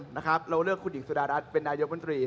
เราเลือกคุณหญิงสุดารัฐเป็นนายกมนตรี